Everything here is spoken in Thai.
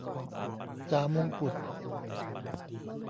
จ่ามงกุฎ